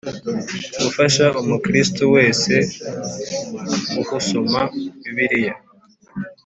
Gufasha umukristo wese ghusoma bibiliya